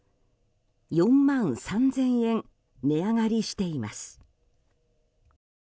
４万３０００円値上がりしています。